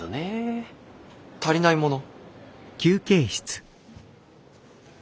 足りないもの？